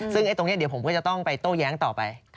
ซึ่งตรงนี้เดี๋ยวผมก็จะต้องไปโต้แย้งต่อไป